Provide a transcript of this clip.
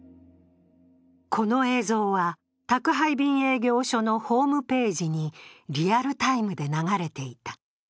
この映像は宅配便営業所のホームページにリアルタイムで流れていた。